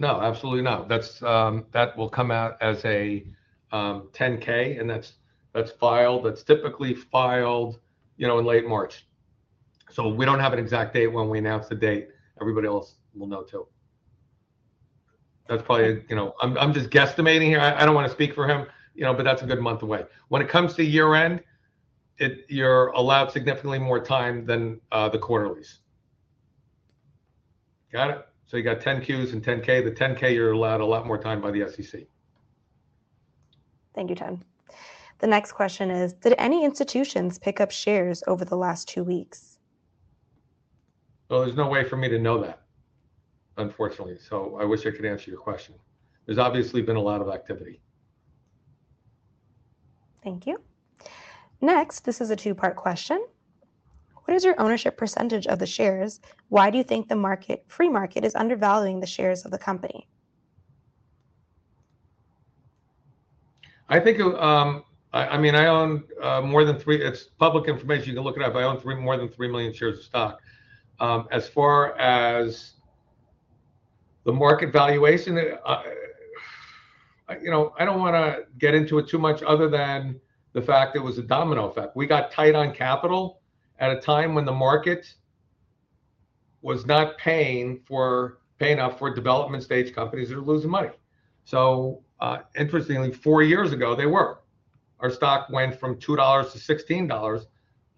No, absolutely not. That will come out as a 10-K, and that's filed. That's typically filed in late March. We don't have an exact date. When we announce the date, everybody else will know too. That's probably, I'm just guesstimating here, I don't want to speak for him, but that's a good month away. When it comes to year-end, you're allowed significantly more time than the quarterlies. Got it? You have 10-Qs and 10-K. The 10-K, you're allowed a lot more time by the SEC. Thank you, Ted. The next question is, did any institutions pick up shares over the last two weeks? There is no way for me to know that, unfortunately. I wish I could answer your question. There has obviously been a lot of activity. Thank you. Next, this is a two-part question. What is your ownership percentage of the shares? Why do you think the free market is undervaluing the shares of the company? I think, I mean, I own more than three, it's public information. You can look it up. I own more than three million shares of stock. As far as the market valuation, I don't want to get into it too much other than the fact it was a domino effect. We got tight on capital at a time when the market was not paying enough for development-stage companies that are losing money. Interestingly, four years ago, they were. Our stock went from $2-$16,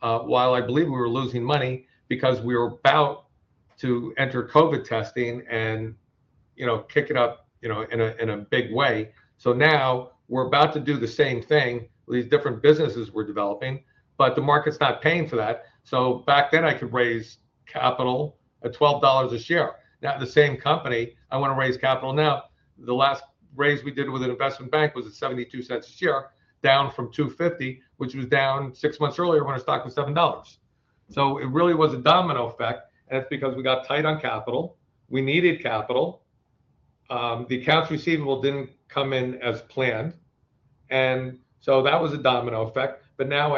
while I believe we were losing money because we were about to enter COVID testing and kick it up in a big way. Now we're about to do the same thing. These different businesses we're developing, but the market's not paying for that. Back then, I could raise capital at $12 a share. Now, at the same company, I want to raise capital now. The last raise we did with an investment bank was at $0.72 a share, down from $2.50, which was down six months earlier when our stock was $7. It really was a domino effect. It's because we got tight on capital. We needed capital. The accounts receivable didn't come in as planned. That was a domino effect. Now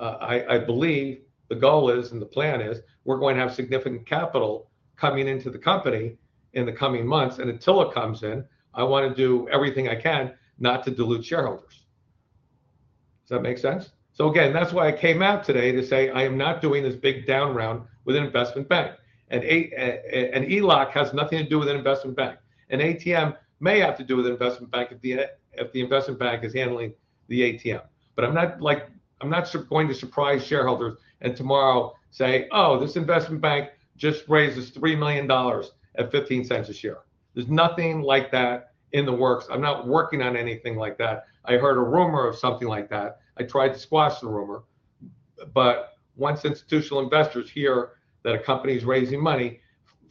I believe the goal is, and the plan is, we're going to have significant capital coming into the company in the coming months. Until it comes in, I want to do everything I can not to dilute shareholders. Does that make sense? Again, that's why I came out today to say I am not doing this big down round with an investment bank. An ELOC has nothing to do with an investment bank. An ATM may have to do with an investment bank if the investment bank is handling the ATM. I am not going to surprise shareholders and tomorrow say, "Oh, this investment bank just raised us $3 million at $0.15 a share." There is nothing like that in the works. I am not working on anything like that. I heard a rumor of something like that. I tried to squash the rumor. Once institutional investors hear that a company is raising money,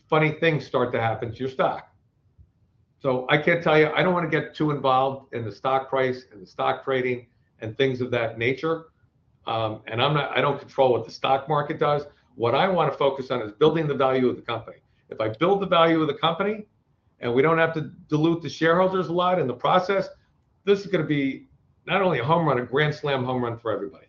funny things start to happen to your stock. I cannot tell you, I do not want to get too involved in the stock price and the stock trading and things of that nature. I do not control what the stock market does. What I want to focus on is building the value of the company. If I build the value of the company, and we don't have to dilute the shareholders a lot in the process, this is going to be not only a home run, a grand slam home run for everybody.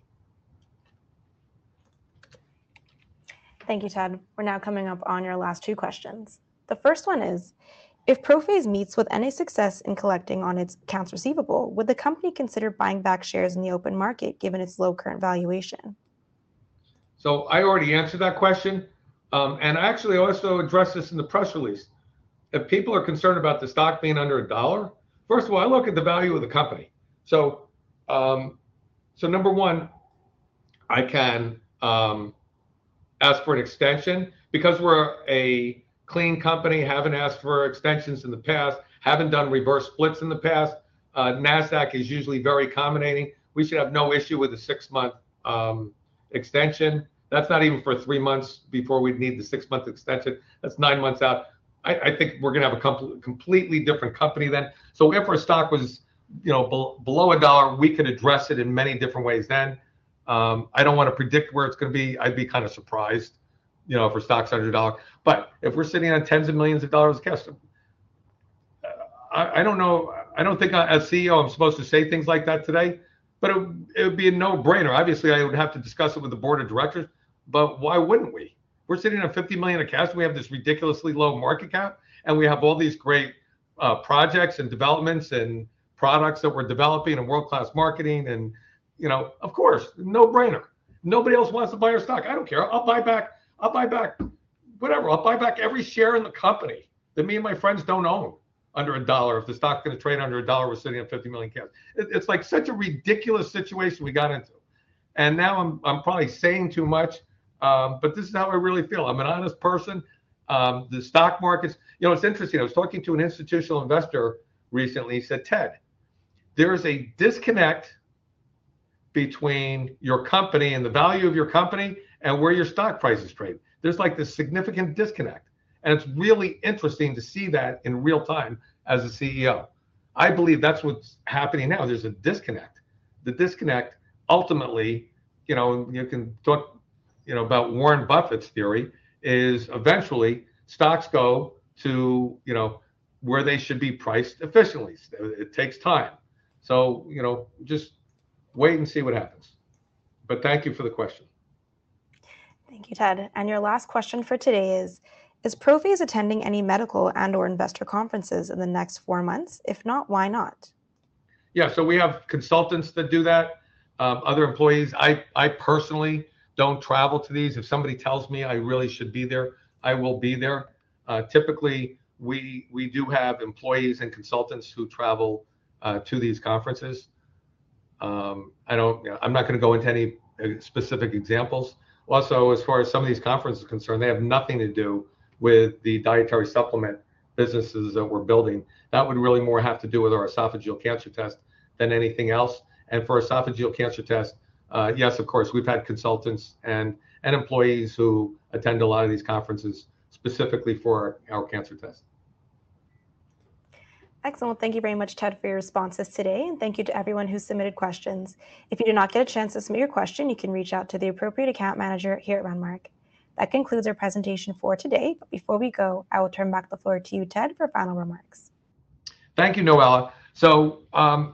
Thank you, Ted. We're now coming up on your last two questions. The first one is, if ProPhase meets with any success in collecting on its accounts receivable, would the company consider buying back shares in the open market given its low current valuation? I already answered that question. I actually also addressed this in the press release. If people are concerned about the stock being under a dollar, first of all, I look at the value of the company. Number one, I can ask for an extension. Because we're a clean company, haven't asked for extensions in the past, haven't done reverse splits in the past, Nasdaq is usually very accommodating. We should have no issue with a six-month extension. That's not even for three months before we'd need the six-month extension. That's nine months out. I think we're going to have a completely different company then. If our stock was below a dollar, we could address it in many different ways then. I don't want to predict where it's going to be. I'd be kind of surprised if our stock's under a dollar. If we're sitting on tens of millions of dollars of cash, I don't know. I don't think as CEO, I'm supposed to say things like that today, but it would be a no-brainer. Obviously, I would have to discuss it with the board of directors, but why wouldn't we? We're sitting on $50 million in cash. We have this ridiculously low market cap, and we have all these great projects and developments and products that we're developing and world-class marketing. Of course, no-brainer. Nobody else wants to buy our stock. I don't care. I'll buy back, I'll buy back, whatever. I'll buy back every share in the company that me and my friends don't own under a dollar. If the stock's going to trade under a dollar, we're sitting on $50 million cash. It's like such a ridiculous situation we got into. Now I'm probably saying too much, but this is how I really feel. I'm an honest person. The stock markets, it's interesting. I was talking to an institutional investor recently. He said, "Ted, there is a disconnect between your company and the value of your company and where your stock prices trade. There's like this significant disconnect." It is really interesting to see that in real time as a CEO. I believe that's what's happening now. There is a disconnect. The disconnect ultimately, you can talk about Warren Buffett's theory, is eventually stocks go to where they should be priced efficiently. It takes time. Just wait and see what happens. Thank you for the question. Thank you, Ted. Your last question for today is, is ProPhase attending any medical and/or investor conferences in the next four months? If not, why not? Yeah. We have consultants that do that, other employees. I personally don't travel to these. If somebody tells me I really should be there, I will be there. Typically, we do have employees and consultants who travel to these conferences. I'm not going to go into any specific examples. Also, as far as some of these conferences are concerned, they have nothing to do with the dietary supplement businesses that we're building. That would really more have to do with our esophageal cancer test than anything else. For esophageal cancer test, yes, of course, we've had consultants and employees who attend a lot of these conferences specifically for our cancer test. Excellent. Thank you very much, Ted, for your responses today. Thank you to everyone who submitted questions. If you did not get a chance to submit your question, you can reach out to the appropriate account manager here at Renmark. That concludes our presentation for today. Before we go, I will turn back the floor to you, Ted, for final remarks. Thank you, Noella. I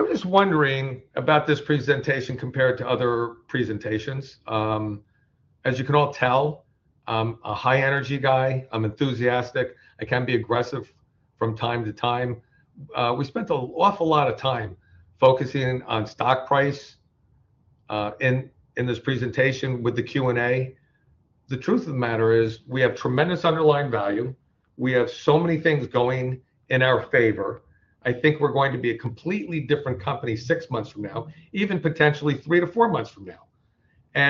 was just wondering about this presentation compared to other presentations. As you can all tell, I'm a high-energy guy. I'm enthusiastic. I can be aggressive from time to time. We spent an awful lot of time focusing on stock price in this presentation with the Q&A. The truth of the matter is we have tremendous underlying value. We have so many things going in our favor. I think we're going to be a completely different company six months from now, even potentially three to four months from now. We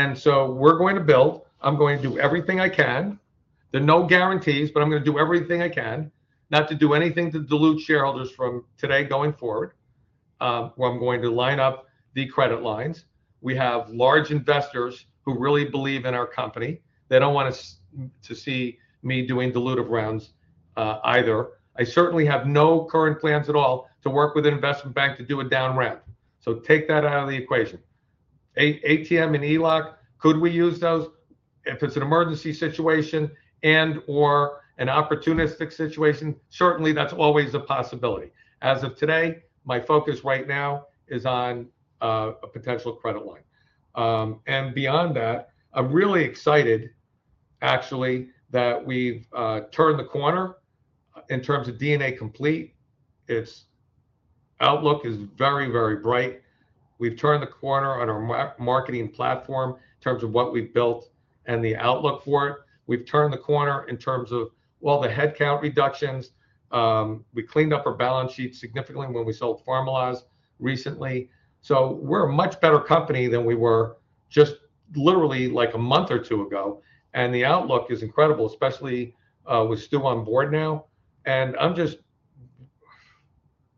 are going to build. I'm going to do everything I can. There are no guarantees, but I'm going to do everything I can, not to do anything to dilute shareholders from today going forward, where I'm going to line up the credit lines. We have large investors who really believe in our company. They do not want to see me doing dilutive rounds either. I certainly have no current plans at all to work with an investment bank to do a down ramp. Take that out of the equation. ATM and ELOC, could we use those if it is an emergency situation and/or an opportunistic situation? Certainly, that is always a possibility. As of today, my focus right now is on a potential credit line. Beyond that, I am really excited, actually, that we have turned the corner in terms of DNA Complete. Its outlook is very, very bright. We have turned the corner on our marketing platform in terms of what we have built and the outlook for it. We have turned the corner in terms of, actually, the headcount reductions. We cleaned up our balance sheet significantly when we sold Pharmaloz recently. We're a much better company than we were just literally like a month or two ago. The outlook is incredible, especially with Stu on board now. I'm just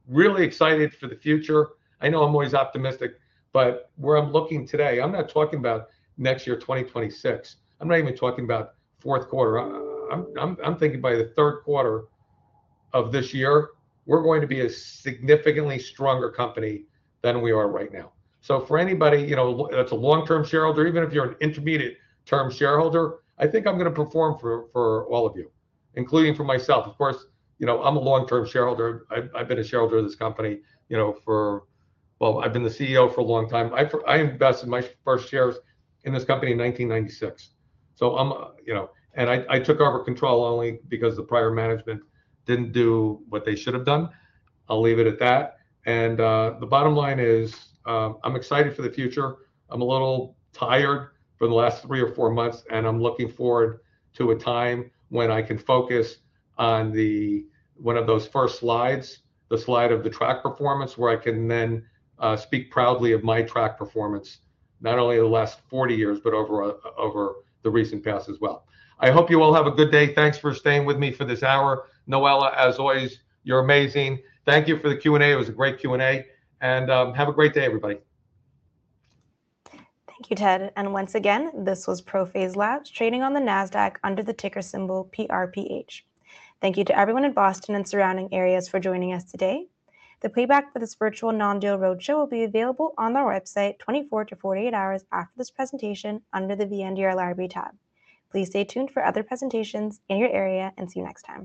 really excited for the future. I know I'm always optimistic, but where I'm looking today, I'm not talking about next year, 2026. I'm not even talking about fourth quarter. I'm thinking by the third quarter of this year, we're going to be a significantly stronger company than we are right now. For anybody that's a long-term shareholder, even if you're an intermediate-term shareholder, I think I'm going to perform for all of you, including for myself. Of course, I'm a long-term shareholder. I've been a shareholder of this company for, well, I've been the CEO for a long time. I invested my first shares in this company in 1996. I took over control only because the prior management did not do what they should have done. I will leave it at that. The bottom line is I am excited for the future. I am a little tired for the last three or four months, and I am looking forward to a time when I can focus on one of those first slides, the slide of the track performance, where I can then speak proudly of my track performance, not only the last 40 years, but over the recent past as well. I hope you all have a good day. Thanks for staying with me for this hour. Noella, as always, you are amazing. Thank you for the Q&A. It was a great Q&A. Have a great day, everybody. Thank you, Ted. Once again, this was ProPhase Labs trading on the Nasdaq under the ticker symbol PRPH. Thank you to everyone in Boston and surrounding areas for joining us today. The playback for this virtual non-deal roadshow will be available on our website 24 hours to 48 hours after this presentation under the VNDR Library tab. Please stay tuned for other presentations in your area and see you next time.